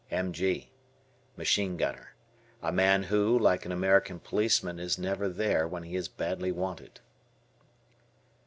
M.G. Machine Gunner. A man who, like an American policeman, is never there when he is badly wanted.